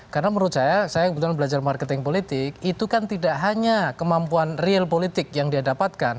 karena menurut saya saya kebetulan belajar marketing politik itu kan tidak hanya kemampuan real politik yang dia dapatkan